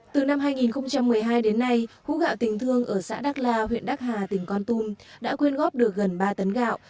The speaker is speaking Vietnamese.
từ năm hai nghìn một mươi hai đến nay hú gạo tỉnh thương ở xã đắc la huyện đắc hà tỉnh con tum đã quyên góp được gần ba tấn gạo